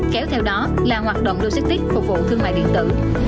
kéo theo đó là hoạt động logistics phục vụ thương mại điện tử